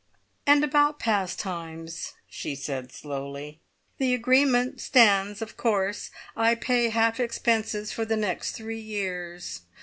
"And about `Pastimes,'" she said slowly. "The agreement stands, of course. I pay half expenses for the next three years.